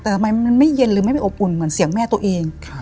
แต่ทำไมมันไม่เย็นหรือไม่ไม่อบอุ่นเหมือนเสียงแม่ตัวเอง